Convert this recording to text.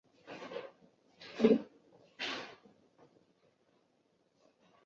阇耶跋摩三世在吴哥城建都。